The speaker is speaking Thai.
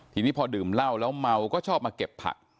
ทีนี้พอดื่มเหล้าแล้วเมาก็ชอบมาเก็บผัก